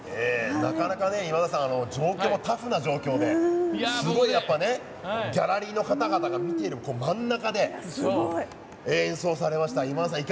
なかなかタフな状況の中ですごい、ギャラリーの方々が見ている真ん中で演奏されました。